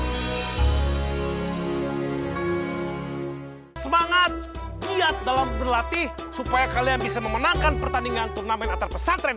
hai semangat kiat dalam berlatih supaya kalian bisa memenangkan pertandingan turnamen atas pesatren